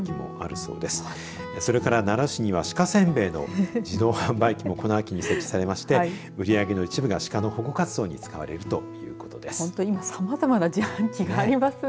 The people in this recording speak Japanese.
それから習志野市には鹿せんべいの自動販売機もこの秋に設置されまして売り上げの一部が鹿の保護活動に使われるということです。